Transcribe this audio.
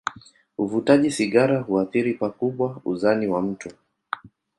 Uvutaji sigara huathiri pakubwa uzani wa mtu.